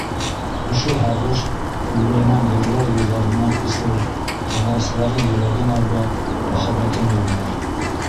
Ошо һағыш күңеленән йырлар йырҙарына күсер, тыңлаусыларҙың йөрәген арбап, мөхәббәтен яулар.